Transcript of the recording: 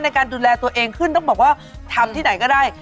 ในการดูแลตัวเองขึ้นต้องบอกว่าทำที่ไหนก็ได้